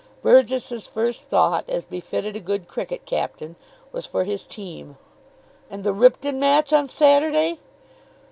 Burgess's first thought, as befitted a good cricket captain, was for his team. "And the Ripton match on Saturday!"